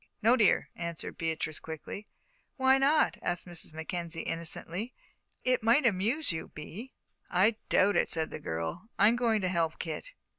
"No, dear," answered Beatrice, quickly. "Why not?" asked Mrs. Mackenzie, innocently; "it might amuse you, Bee." "I doubt it," said the girl. "I'm going to help Kit."